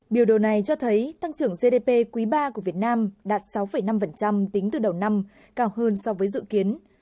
điều này cho thấy tăng trưởng gdp quý ba của việt nam đạt sáu năm tính từ đầu năm cao hơn so với dự kiến